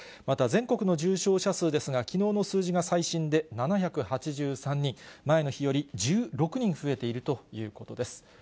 また、全国の重症者数ですが、きのうの数字が最新で７８３人、前の日より１６人増えているということです。